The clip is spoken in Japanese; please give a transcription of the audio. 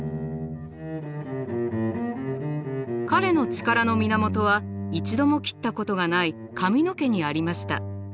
彼の力の源は一度も切ったことがない髪の毛にありました。